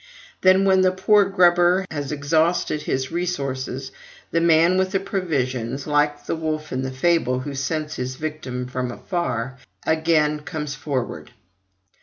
Then, when the poor grubber has exhausted his resources, the man with the provisions (like the wolf in the fable, who scents his victim from afar) again comes forward.